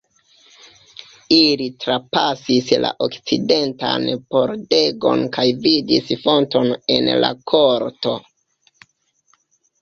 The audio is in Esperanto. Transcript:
Ili trapasis la okcidentan pordegon kaj vidis fonton en la korto.